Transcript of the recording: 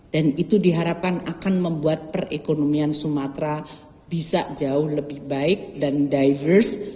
dan itu diharapkan akan membuat perekonomian sumatera bisa jauh lebih baik dan diverse